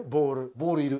ボールいる。